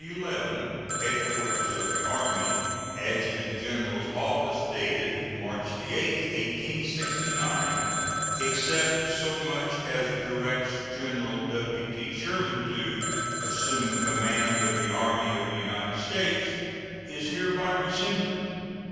11, Headquarters of the Army, Adjutant General's Office, dated March 8, 1869, except so much as directs General W.T. Sherman to "assume command of the Army of the United States," is hereby rescinded.